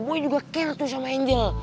gue juga care tuh sama angel